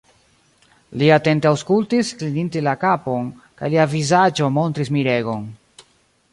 Li atente aŭskultis, klininte la kapon, kaj lia vizaĝo montris miregon.